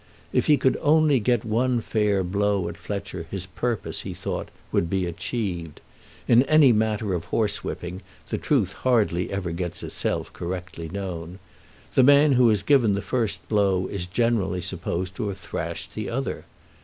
If he could only get one fair blow at Fletcher his purpose, he thought, would be achieved. In any matter of horsewhipping the truth hardly ever gets itself correctly known. The man who has given the first blow is generally supposed to have thrashed the other.